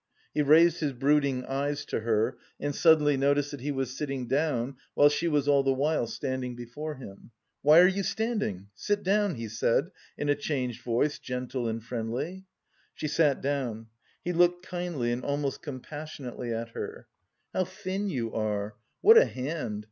He raised his brooding eyes to her and suddenly noticed that he was sitting down while she was all the while standing before him. "Why are you standing? Sit down," he said in a changed voice, gentle and friendly. She sat down. He looked kindly and almost compassionately at her. "How thin you are! What a hand!